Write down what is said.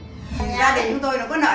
thì gia đình chúng tôi nó có nợ nằn